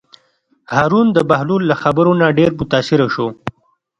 هارون د بهلول له خبرو نه ډېر متأثره شو.